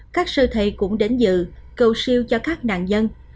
các sư thầy cũng đến dự cầu siêu cho các nạn nhân